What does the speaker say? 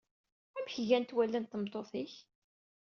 Amek gant wallen n tmeṭṭut-ik?